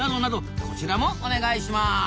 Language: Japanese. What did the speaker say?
こちらもお願いします！